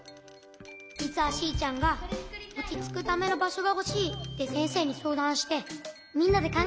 じつはシーちゃんが「おちつくためのばしょがほしい」ってせんせいにそうだんしてみんなでかんがえてつくったの。